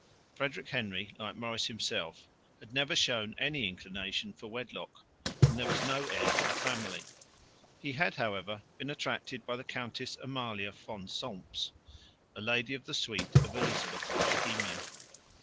Frederick Henry, like Maurice himself, had never shown any inclination for wedlock and there was no heir to the family. He had, however, been attracted by the Countess Amalia von Solms, a lady of the suite of Elizabeth of Bohemia.